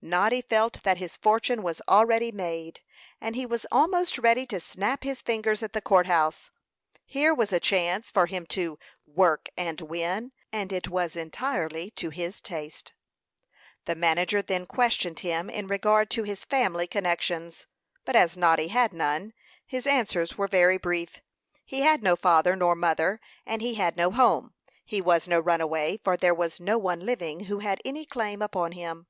Noddy felt that his fortune was already made, and he was almost ready to snap his fingers at the court house. Here was a chance for him to "work and win," and it was entirely to his taste. The manager then questioned him in regard to his family connections; but as Noddy had none, his answers were very brief. He had no father nor mother, and he had no home; he was no runaway, for there was no one living who had any claim upon him.